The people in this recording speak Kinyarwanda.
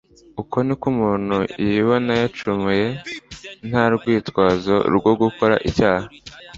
Uko niko umuntu yibona yacumuye. Nta rwitwazo rwo gukora icyaha.